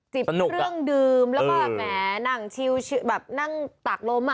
จิบเครื่องดื่มแล้วก็แมวก๋นั่งตอกโลม